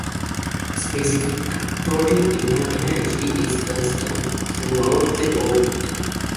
Specific total energy is constant throughout the orbit.